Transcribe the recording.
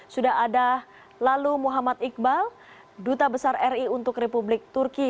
sudah ada lalu muhammad iqbal duta besar ri untuk republik turki